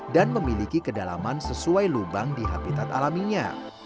dan memiliki kedalaman sesuai lubang di habitat alaminya